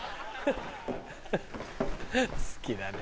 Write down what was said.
好きだね。